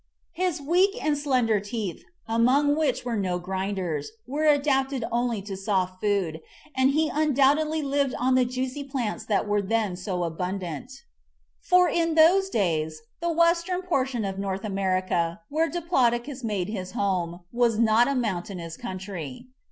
His weak THE MIGHTY DINOSAURS 19 and slender teeth, among which were no grinders, were adapted only to soft food, and he undoubtedly lived on the juicy plants that were then so abundant. For in those days the western portion of North America, where Diplodocus made his home, was not a mountainous country.